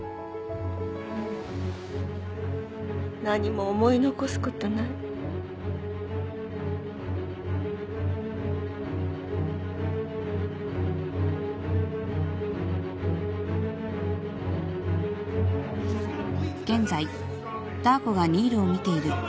何も思い残すことないどうする？